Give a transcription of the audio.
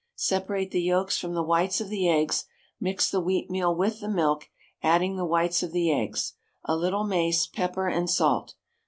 Separate the yolks from the whites of the eggs; mix the wheatmeal with the milk, adding the whites of the eggs, a little mace, pepper and salt.